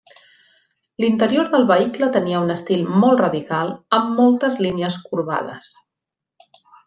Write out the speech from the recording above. L'interior del vehicle tenia un estil molt radical, amb moltes línies corbades.